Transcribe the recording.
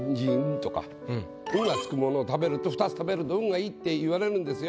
「ん」がつくものを２つ食べると運がいいっていわれるんですよ。